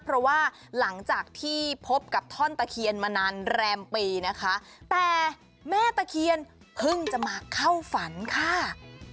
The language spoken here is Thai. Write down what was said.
เพราะว่าหลังจากที่พบกับท่อนตะเคียนมานานแรมปีนะคะแต่แม่ตะเคียนเพิ่งจะมาเข้าฝันค่ะ